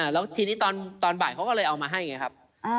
แล้วทีนี้ตอนบ่ายเขาก็เลยเอามาให้ไงครับ